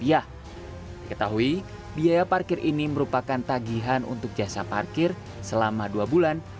diketahui biaya parkir ini merupakan tagihan untuk jasa parkir selama dua bulan